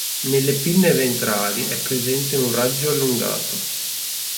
Nelle pinne ventrali è presente un raggio allungato.